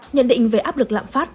nhận định về áp lực lạm phát